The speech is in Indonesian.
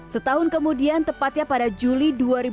setahun kemudian tepatnya pada juli dua ribu delapan belas